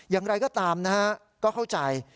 อย่างไรก็ตามนะฮะก็เข้าใจ